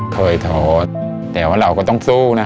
เคยโทษแต่ว่าเราก็ต้องสู้นะ